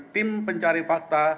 tim pencari fakta